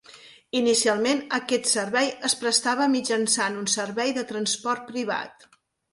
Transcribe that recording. Inicialment, aquest servei es prestava mitjançant un servei de transport privat.